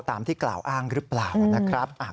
ตามที่กล่าวอ้างหรือเปล่านะครับ